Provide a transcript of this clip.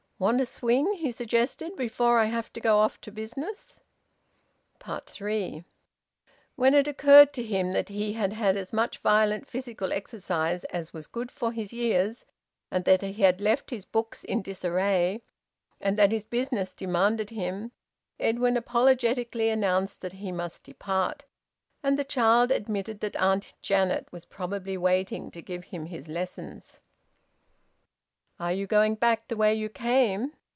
"Want a swing," he suggested, "before I have to go off to business?" THREE. When it occurred to him that he had had as much violent physical exercise as was good for his years, and that he had left his books in disarray, and that his business demanded him, Edwin apologetically announced that he must depart, and the child admitted that Aunt Janet was probably waiting to give him his lessons. "Are you going back the way you came?